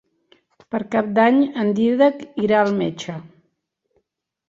Per Cap d'Any en Dídac irà al metge.